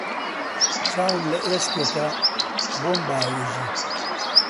چاوم لە ئێسکێکە بۆم باوێژی